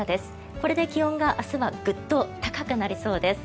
これで気温が明日はグッと高くなりそうです。